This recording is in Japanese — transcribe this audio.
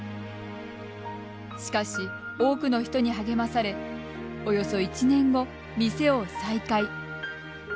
しかし、多くの人に励まされおよそ１年後、店を再開。